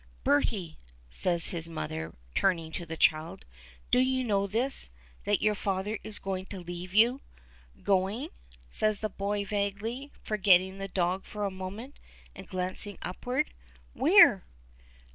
"Bertie!" says his mother, turning to the child. "Do you know this, that your father is going to leave you?" "Going?" says the boy vaguely, forgetting the dog for a moment and glancing upward. "Where?"